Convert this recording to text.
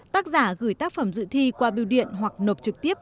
tác giả gửi tác phẩm dự thi qua biêu điện hoặc nộp trực tiếp